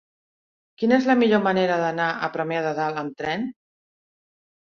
Quina és la millor manera d'anar a Premià de Dalt amb tren?